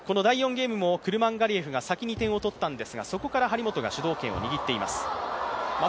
ゲームも、クルマンガリエフが先に点を取ったんですが、そこから張本が主導権を握っています。